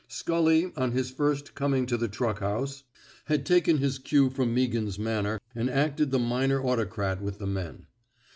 Scully, on his first coming to the truck house, had taken his cue from Meaghan 's manner and acted the minor autocrat with the men.